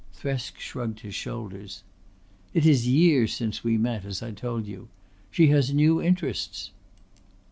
Thresk shrugged his shoulders. "It is years since we met, as I told you. She has new interests."